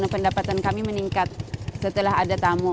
pendapatan kami meningkat setelah ada tamu